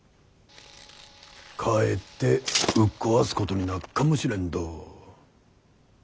かえってうっ壊すことになっかもしれんど。